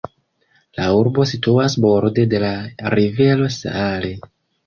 La urbo situas borde de la rivero Saale.